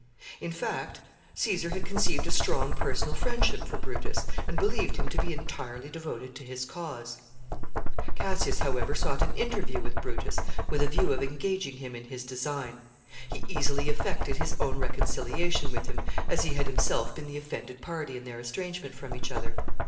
In fact, Caesar had conceived a strong personal friendship for Brutus, and believed him to be entirely devoted to his cause. [Sidenote: Interview between Brutus and Cassius.] Cassius, however, sought an interview with Brutus, with a view of engaging him in his design. He easily effected his own reconciliation with him, as he had himself been the offended party in their estrangement from each other.